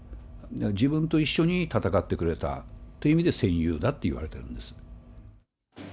自分と一緒に戦ってくれたという意味で戦友だって言われてるんです。